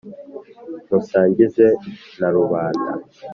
musangize na rubanda